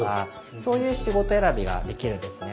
そういう仕事選びができるんですね。